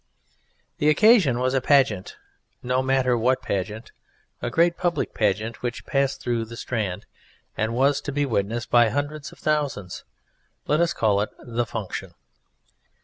The occasion was a pageant no matter what pageant a great public pageant which passed through the Strand, and was to be witnessed by hundreds of thousands. Let us call it "The Function."